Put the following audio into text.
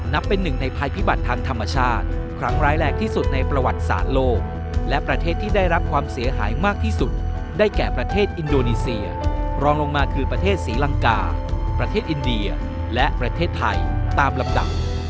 เป็นหนึ่งในภัยพิบัติทางธรรมชาติครั้งร้ายแรงที่สุดในประวัติศาสตร์โลกและประเทศที่ได้รับความเสียหายมากที่สุดได้แก่ประเทศอินโดนีเซียรองลงมาคือประเทศศรีลังกาประเทศอินเดียและประเทศไทยตามลำดับ